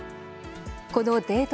このデート